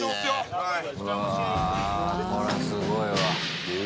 うわあ、これは、すごいわ。